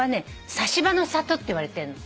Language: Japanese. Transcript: サシバの里っていわれてんの。